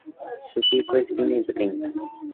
Su pico es fino y pequeño.